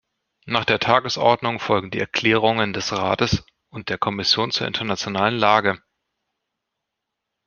Nach der Tagesordnung folgen die Erklärungen des Rates und der Kommission zur internationalen Lage.